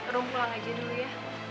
rum pulang aja dulu ya